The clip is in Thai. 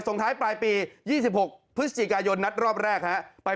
ท้ายปลายปี๒๖พฤศจิกายนนัดรอบแรกฮะไป